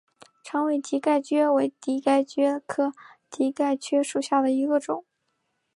长尾蹄盖蕨为蹄盖蕨科蹄盖蕨属下的一个种。